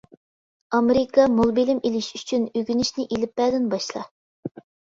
-ئامېرىكا مول بىلىم ئېلىش ئۈچۈن ئۆگىنىشنى ئېلىپبەدىن باشلا.